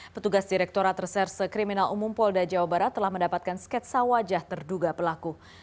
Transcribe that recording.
petugas direkturat reserse kriminal umum polda jawa barat telah mendapatkan sketsa wajah terduga pelaku